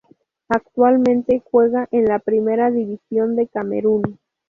Actualmente juega en la Primera División de Camerún.